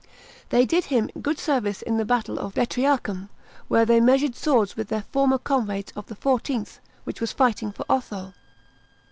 They did him sood service in the battle of Betriacum, where they measured swords with their former comrades of the XlVth, which was fighting for Otho.